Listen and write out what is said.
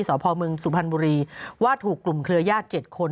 สพมสุพรรณบุรีว่าถูกกลุ่มเครือญาติ๗คน